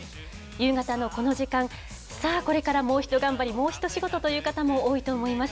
夕方のこの時間、さあ、これからもうひと頑張り、もうひと仕事という方も多いと思います。